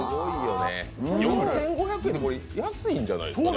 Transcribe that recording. ４５００円、これ安いんじゃないですか？